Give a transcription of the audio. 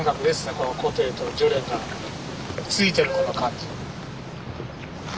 この湖底と鋤簾がついてるこの感じ。